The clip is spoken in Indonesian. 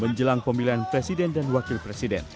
menjelang pemilihan presiden dan wakil presiden